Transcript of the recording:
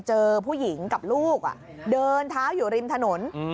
เจอผู้หญิงกับลูกเดินเท้าอยู่ริมถนน